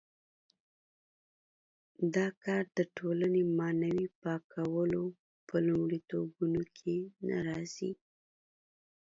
دا کار د ټولنې معنوي پاکولو په لومړیتوبونو کې نه راځي.